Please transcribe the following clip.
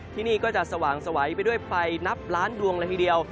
ที่นี่ก็จะสว่างสวัยไปด้วยไฟนับล้านดวงเลยทีเดียว